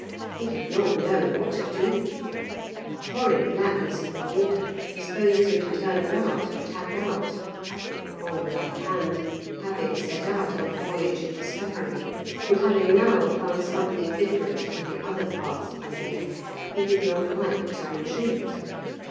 He did not know what to do. The horrid blackness of the water disposed him to turn about and tack out; on the other hand, having set out on a voyage of discovery, and having now found something different to the other parts of the Lake, he did not like to retreat.